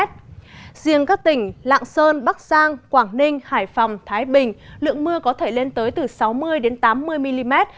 riêng các tỉnh lạng sơn bắc giang quảng ninh hải phòng thái bình lượng mưa có thể lên tới từ sáu mươi tám mươi mm